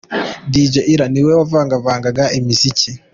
Dj Ira ni we wavangavangaga imiziki.